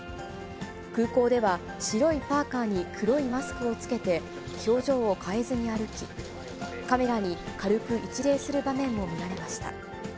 空港では、白いパーカーに黒いマスクを着けて表情を変えずに歩き、カメラに軽く一礼する場面も見られました。